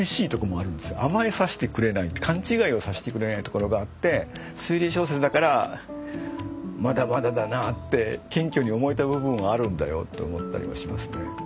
甘えさせてくれない勘違いをさせてくれないところがあって推理小説だからまだまだだなって謙虚に思えた部分はあるんだよって思ったりはしますね。